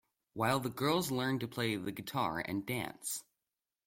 While the girls learned to play the guitar and dance.